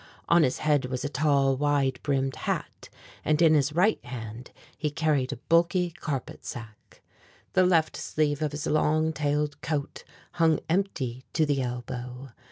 On his head was a tall, wide brimmed hat and in his right hand he carried a bulky carpet sack. The left sleeve of his long tailed coat hung empty to the elbow.